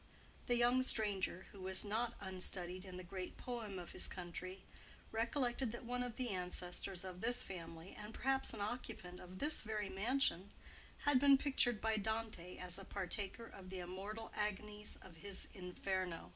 The young stranger, who was not unstudied in the great poem of his country, recollected that one of the ancestors of this family, and perhaps an occupant of this very mansion, had been pictured by Dante as a partaker of the immortal agonies of his Inferno.